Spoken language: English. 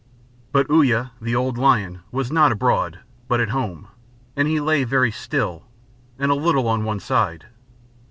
But Uya, the old lion, was not abroad, but at home, and he lay very still, and a little on one side.